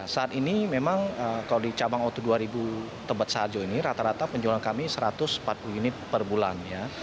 saat ini memang kalau di cabang o dua dua ribu tempat sahaja ini rata rata penjualan kami satu ratus empat puluh unit per bulan